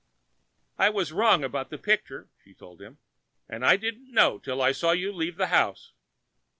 "I was wrong about the picture," she told him, "and I didn't know till I saw you leave the house."